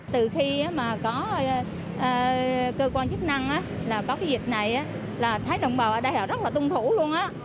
từ khi mà có cơ quan chức năng là có cái dịch này là thấy đồng bào ở đây họ rất là tuân thủ luôn